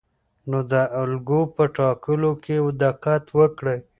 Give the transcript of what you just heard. نو د الګو په ټاکلو کې دقت وکړئ.